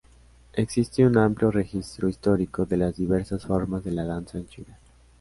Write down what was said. Existe un amplio registro histórico de las diversas formas de la danza en China.